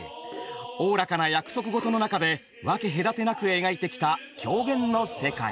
おおらかな約束事の中で分け隔てなく描いてきた狂言の世界。